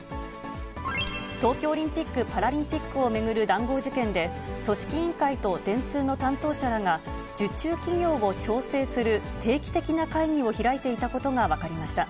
東京オリンピック・パラリンピックを巡る談合事件で、組織委員会と電通の担当者らが、受注企業を調整する定期的な会議を開いていたことが分かりました。